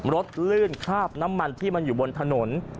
ลื่นคราบน้ำมันที่มันอยู่บนถนน